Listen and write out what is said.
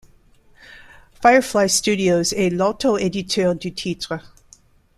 Firefly Studios est l'auto-éditeur du titre.